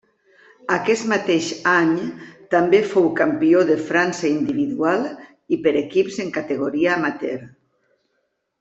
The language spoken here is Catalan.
Aquest mateix any també fou campió de França individual i per equips en categoria amateur.